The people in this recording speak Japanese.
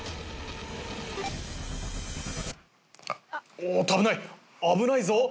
おっと危ない危ないぞ。